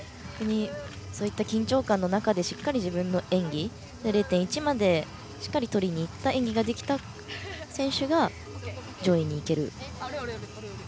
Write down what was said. そういった緊張感の中でしっかり自分の演技０．１までしっかり取りにいった演技ができた選手が上位にいける。